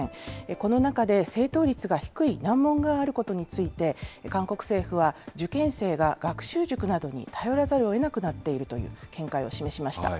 この中で正答率が低い難問があることについて、韓国政府は受験生が学習塾に頼らざるをえなくなっているという見解を示しました。